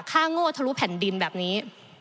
โง่ทะลุแผ่นดินแบบนี้